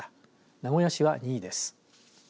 名古屋市は２位です。